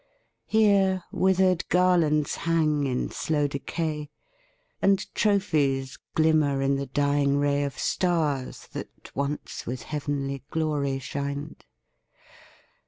Here, withered garlands hang in slow decay, And trophies glimmer in the dying ray Of stars that once with heavenly glory shined.